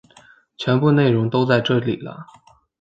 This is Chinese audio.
全部内容都在里面了